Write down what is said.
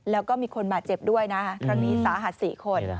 แล้วก็มีคนบาดเจ็บด้วยนะครั้งนี้สาหัส๔คน